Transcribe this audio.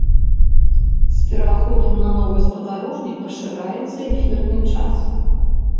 З пераходам на новы спадарожнік пашыраецца эфірны час.